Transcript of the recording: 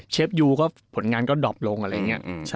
เชฟยูทศ์ผลงานก็ดับลง